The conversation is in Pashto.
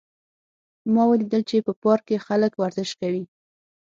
ما ولیدل چې په پارک کې خلک ورزش کوي